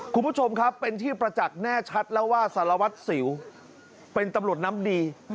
คุณผู้ชมครับเป็นที่ประจักษ์แน่ชัดแล้วว่าสารวัตรสิวเป็นตำรวจน้ำดี